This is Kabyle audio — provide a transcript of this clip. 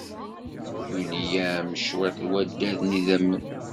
Yuli-am cwiṭ wadad n yidammen.